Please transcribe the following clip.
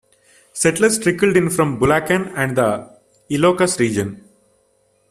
Settlers trickled in from Bulacan and the Ilocos Region.